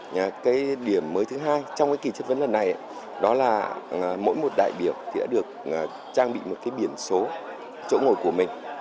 và cái điểm mới thứ hai trong cái kỳ chất vấn lần này đó là mỗi một đại biểu đã được trang bị một cái biển số chỗ ngồi của mình